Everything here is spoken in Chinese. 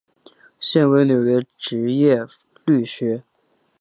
现为纽约执业律师。